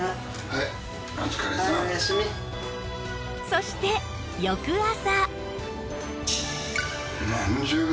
そして翌朝